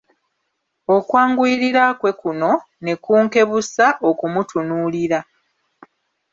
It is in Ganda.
Okwanguyirira kwe kuno ne kunkebusa okumutunuulira.